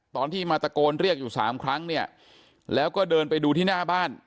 ตอนที่มาตะโกนเรียกอยู่สามครั้งเนี่ยแล้วก็เดินไปดูที่หน้าบ้าน